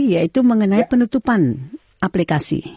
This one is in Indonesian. yaitu mengenai penutupan aplikasi